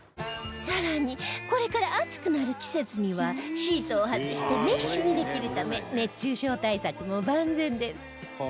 更にこれから暑くなる季節にはシートを外してメッシュにできるため熱中症対策も万全です